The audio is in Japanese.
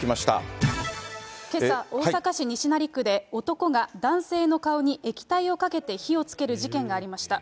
けさ、大阪市西成区で男が男性の顔に液体をかけて火をつける事件がありました。